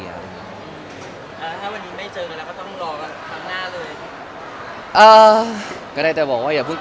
แล้วถ่ายละครมันก็๘๙เดือนอะไรอย่างนี้